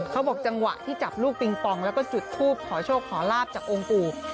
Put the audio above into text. เขาบอกจังหวะที่จับลูกปิงปองแล้วก็จุดทูปขอโชคขอลาบจากองค์ปู่